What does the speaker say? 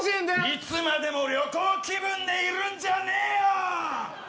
いつまでも旅行気分でいるんじゃねえよお！